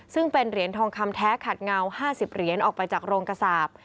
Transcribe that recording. ซึ่งเป็นเหรียญทองคำแท้ขัดเงา๕๐เหรียญออกไปจากโรงกระสาป